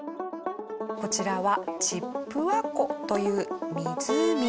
こちらはチップワ湖という湖。